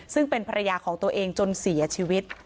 ซึ่งเป็นภรรยาของตัวเองจนเสียชีวิต